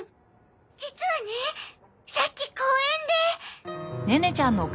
実はねさっき公園で。